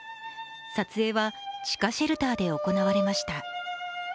撮影は地下シェルターで行われました。